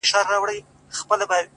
بابولاره وروره راسه تې لار باسه،